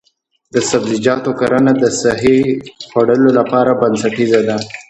د سبزیجاتو کرنه د صحي خوړو لپاره بنسټیزه ده.